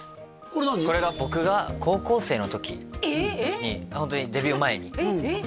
これが僕が高校生の時にホントにデビュー前にえっ？